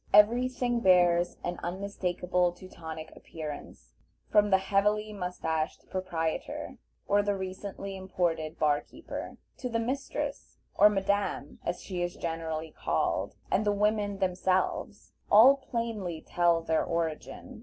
Every thing bears an unmistakable Teutonic appearance; from the heavily mustached proprietor, or the recently imported bar keeper, to the mistress, or madame as she is generally called, and the women themselves, all plainly tell their origin.